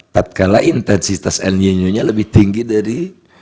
tak kalah intensitas lnino nya lebih tinggi dari dua ribu dua puluh tiga dua ribu dua puluh empat